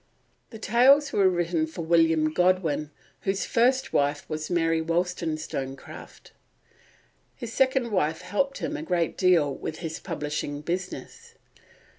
The Tales were written for William Godwin, whose first wife was Mary Wollstonecraft. His second wife helped him a great deal with his publishing business.